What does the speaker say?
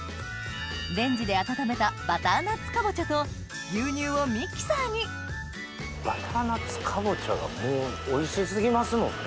レンジで温めたバターナッツかぼちゃと牛乳をミキサーにバターナッツかぼちゃがもうおいし過ぎますもんね。